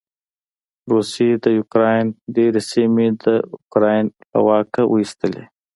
روسې د يوکراین ډېرې سېمې د یوکراين له واکه واېستلې.